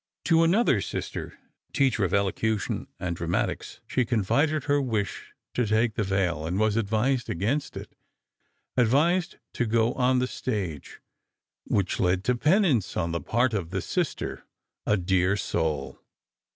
To another sister, teacher of elocution and dramatics, she confided her wish to take the veil, and was advised against it—advised to go on the stage—which led to penance, on the part of the sister, a dear soul.